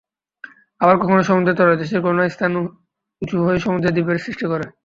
আবার কখনো সমুদ্রের তলদেশের কোনো স্থান উঁচু হয়ে সমুদ্রে দ্বীপের সৃষ্টি করে।